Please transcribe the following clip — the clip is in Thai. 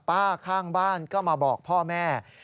ข้างบ้านก็มาบอกพ่อแม่